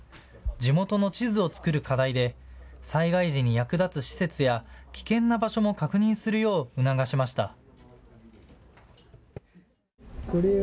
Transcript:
地元の地図を作る課題で災害時に役立つ施設や危険な場所も確認するよう促しました。